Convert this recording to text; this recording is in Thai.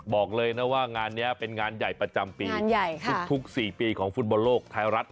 บอกเลยนะว่างานนี้เป็นงานใหญ่ประจำปีทุก๔ปีของฟุตบอลโลกไทยรัฐ